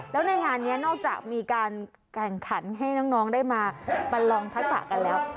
แล้วในงานนี้นอกจากมีการแข่งขันให้น้องได้มาประลองทักษะกันแล้ว